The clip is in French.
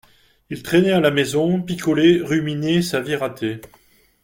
il traînait à la maison, picolait, ruminait sa vie ratée